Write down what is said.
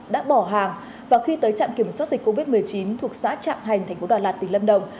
đã bỏ hàng và khi tới trạm kiểm soát dịch covid một mươi chín thuộc xã trạm hành thành phố đà lạt tỉnh lâm đồng